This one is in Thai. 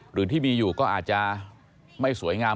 หรือที่มีอยู่ก็อาจจะไม่สวยงาม